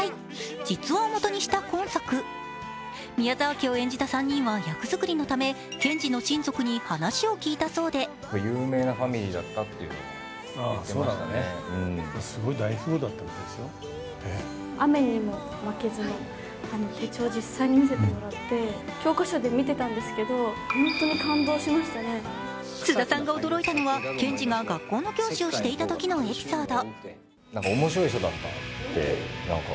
実話を元にした今作、宮沢家を演じた３人は役作りのため賢治の親族に話を聞いたそうで菅田さんが驚いたのは賢治が学校の教師をしていたときのエピソード。